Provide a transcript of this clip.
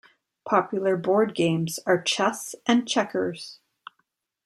Popular board games are chess and checkers.